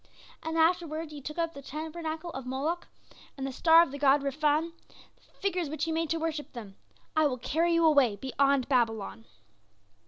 And afterward ye took up the tabernacle of Moloch, and the star of the god Rephan, the figures which ye made to worship them. I will carry you away beyond Babylon.